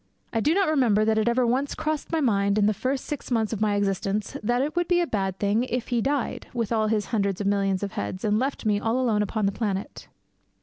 I do not remember that it ever once crossed my mind in the first six months of my existence that it would be a bad thing if he died, with all his hundreds of millions of heads, and left me all alone upon the planet.